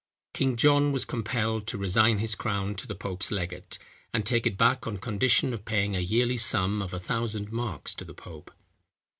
King John was compelled to resign his crown to the pope's legate, and take it back on condition of paying a yearly sum of a thousand marks to the pope.